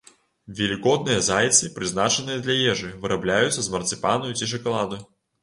Велікодныя зайцы, прызначаныя для ежы, вырабляюцца з марцыпану ці шакаладу.